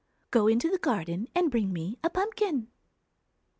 Go into the garden and bring me a pumpkin.'